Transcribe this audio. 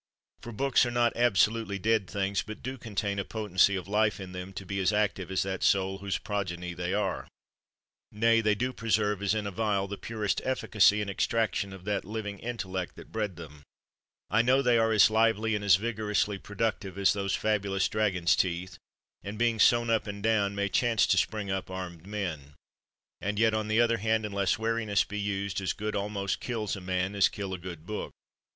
For books are not absolutely dead things, but do contain a potency of life in them to be as active as that soul was whose progeny they are ; nay, they do preserve as in a vial the purest efficacy and extraction of that living intellect that bred them. I know they are as lively, and as vigorously productive, as those fabulous drag on 's teeth; and being sown up and down, may chance to spring up armed men. And yet, on the other hand, unless wariness be used, as good almost kill a man as kill a good book.